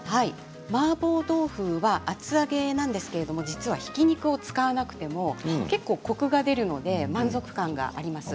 マーボー豆腐は厚揚げなんですけど実はひき肉を使わなくても結構コクが出るので満足感があります。